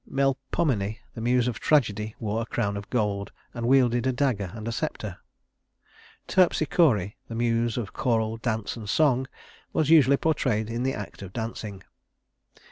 Melpomene, the Muse of tragedy, wore a crown of gold, and wielded a dagger and a scepter. Terpsichore, the Muse of choral dance and song, was usually portrayed in the act of dancing.